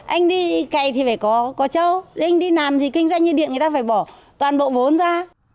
anh đi cày thì phải có châu anh đi nằm thì kinh doanh như điện người ta phải bỏ toàn bộ vốn ra